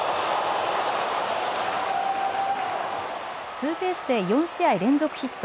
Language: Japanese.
ツーベースで４試合連続ヒット。